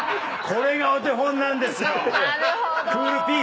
これがお手本なんですよ。